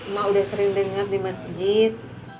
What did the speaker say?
mak udah sering dengar di masjid